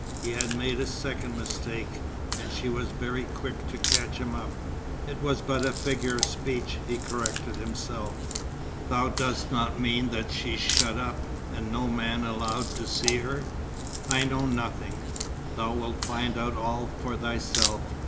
He had made a second mistake, and she was very quick to catch him up. "It was but a figure of speech," he corrected himself. "Thou dost not mean that she's shut up, and no man allowed to see her?" "I know nothing. Thou wilt find out all for thyself.